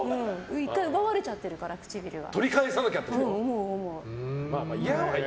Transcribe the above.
１回、奪われちゃってるから唇が。